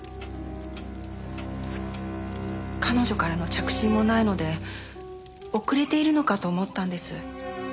彼女からの着信もないので遅れているのかと思ったんです。